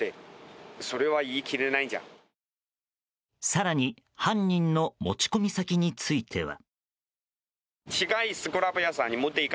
更に犯人の持ち込み先については。